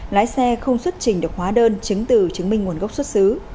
lái xe không xuất trình được hóa đơn chứng từ chứng minh nguồn gốc xuất xứ